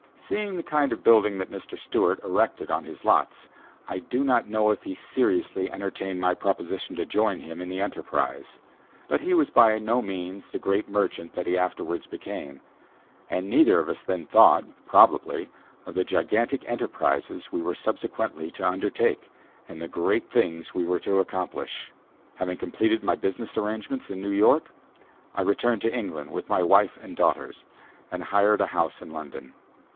Seeing the kind of building that Mr. Stewart erected on his lots, I do not know if he seriously entertained my proposition to join him in the enterprise; but he was by no means the great merchant then he afterwards became, and neither of us then thought, probably, of the gigantic enterprises we were subsequently to undertake, and the great things we were to accomplish. Having completed my business arrangements in New York, I returned to England with my wife and daughters, and hired a house in London.